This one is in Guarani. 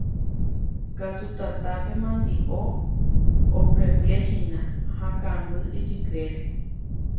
katu tatápe mandi'o opleplehína ha kamby ijykére